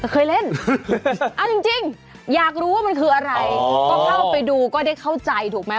เคยเล่นเอาจริงอยากรู้ว่ามันคืออะไรก็เข้าไปดูก็ได้เข้าใจถูกไหม